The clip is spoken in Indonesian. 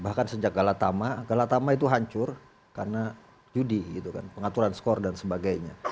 bahkan sejak galatama galatama itu hancur karena judi gitu kan pengaturan skor dan sebagainya